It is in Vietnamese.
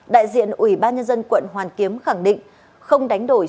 đại diện ủy ban nhân dân quận hoàn kiếm khẳng định không đánh đổi